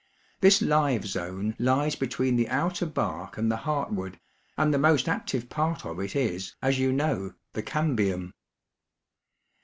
This live zone lies be tween the outer bark and the heartwood, and the most active part of it is, as you know, the cambium.